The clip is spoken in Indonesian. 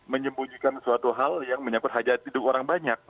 menyembunyikan suatu hal yang menyangkut hajat hidup orang banyak